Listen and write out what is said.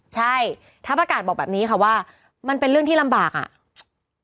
ใช่ทัพอากาศบอกแบบนี้ค่ะว่ามันเป็นเรื่องที่ลำบากอ่ะ